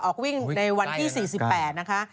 ออกวิ่งในวันที่๔๘นะคะ